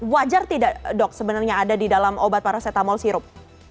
wajar tidak dok sebenarnya ada di dalam obat paracetamol sirup